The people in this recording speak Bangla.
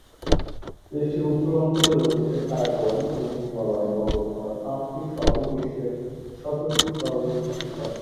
দেশটির উত্তর অঞ্চলে রয়েছে কারাকোরাম এবং হিমালয় পর্বতমালার পাঁচটি সহ বিশ্বের সতেরোটি সর্বোচ্চ শিখর।